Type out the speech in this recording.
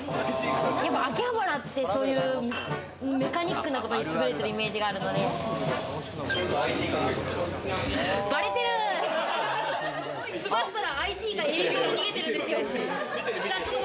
やっぱり秋葉原ってそういうメカニックなことに優れてるイメージがあるので、詰まったらＩＴか営業で逃げてるんですよ。